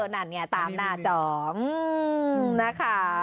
นั่นนี่เนี่ยตามหน้าจอนะคะ